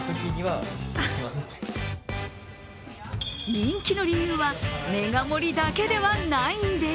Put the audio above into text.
人気の理由はメガ盛りだけではないんです。